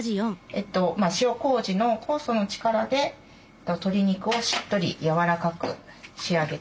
塩こうじの酵素の力で鶏肉をしっとりやわらかく仕上げていきます。